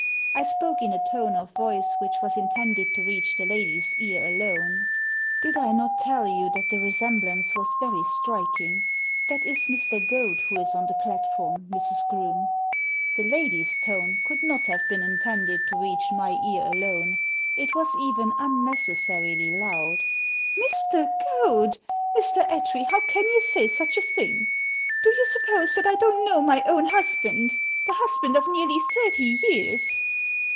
I spoke in a tone of Digitized by VjOOQIC I A DOUBLE MINDED GENTLEMAN 239 voice which was intended to reach the lad/s ear alone. Did I not tell you that the resemblance was very striking? That is Mr. Goad who is on the platform, Mrs. Groome." The lady's tone could not have been intended to reach my ear alone ; it was even unnecessarily loud. Mr. Goad I Mr. Attree, how can you say such a thing? Do you suppose that I don't know my own husband — the husband of nearly thirty years